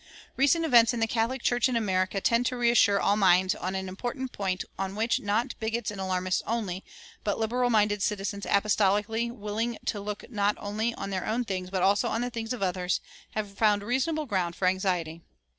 Recent events in the Catholic Church in America tend to reassure all minds on an important point on which not bigots and alarmists only, but liberal minded citizens apostolically willing to "look not only on their own things but also on the things of others," have found reasonable ground for anxiety.